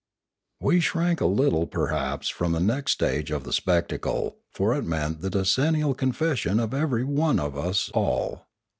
We shrank a little perhaps from the next stage of the spectacle, for it meant the decennial confession of every one of us all.